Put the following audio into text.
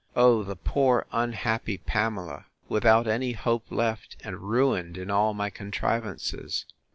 Oh! the poor unhappy Pamela!—Without any hope left, and ruined in all my contrivances.